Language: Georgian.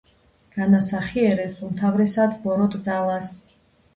განასახიერებს უმთავრესად ბოროტ ძალას.